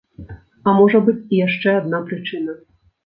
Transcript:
А можа быць і яшчэ адна прычына.